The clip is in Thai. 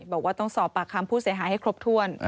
บอกว่าต้องสอบปากคำผู้เสียหายให้ครบถ้วน